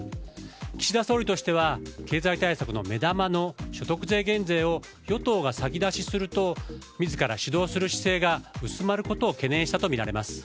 岸田総理としては経済対策の目玉の所得税減税を与党が先出しすると自ら主導する姿勢が薄まることを懸念したとみられます。